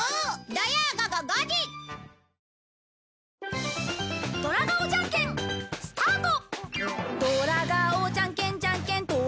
土曜午後５時スタート！